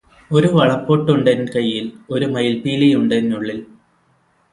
ഒരു വളപ്പൊട്ടുണ്ടെൻ കയ്യിൽ ഒരു മയിൽപ്പിലിയുണ്ടെന്നുള്ളിൽ.